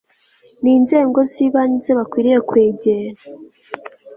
n inzego z ibanze bakwiriye kwegera